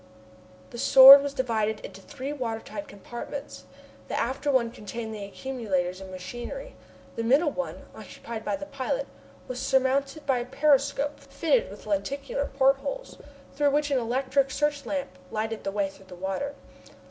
The Sword was divided into three water tight compartments. The after one contained the accumulators and machinery. The middle one, occupied by the pilot, was surmounted by a periscope fitted with lenticular portholes, through which an electric search lamp lighted the way through the water.